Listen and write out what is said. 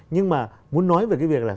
nhưng mà muốn nói về cái việc là